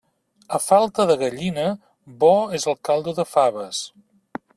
A falta de gallina, bo és el caldo de faves.